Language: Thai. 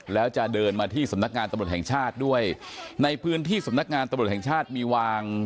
แล้วจะเดินมาที่สำนักงานตำรวจแห่งชาติด้วยในพื้นที่สำนักงานตำรวจแห่งชาติมีวาง